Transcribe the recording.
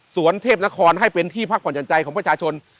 เทพนครให้เป็นที่พักผ่อนหั่นใจของประชาชน